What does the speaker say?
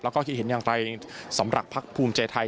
แล้วก็คิดเห็นอย่างไรสำหรับภักดิ์ภูมิใจไทย